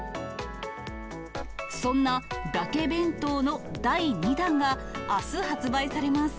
そんな、だけ弁当の第２弾が、あす発売されます。